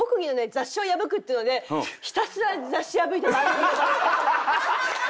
雑誌を破くっていうのでひたすら雑誌破いて。